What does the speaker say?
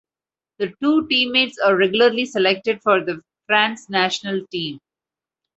The two teammates are regularly selected for the France national team.